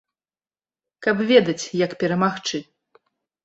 Каб ведаць, як перамагчы.